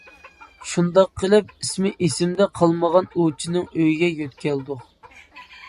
شۇنداق قىلىپ ئىسمى ئېسىمدە قالمىغان ئوۋچىنىڭ ئۆيىگە يۆتكەلدۇق.